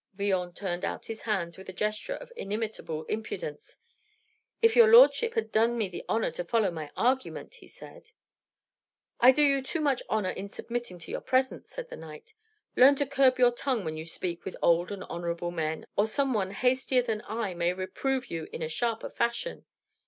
Villon turned out his hands with a gesture of inimitable impudence. "If your lordship had done me the honor to follow my argument!" he said. "I do you too much honor in submitting to your presence," said the knight. "Learn to curb your tongue when you speak with old and honorable men, or some one hastier than I may reprove you in a sharper fashion."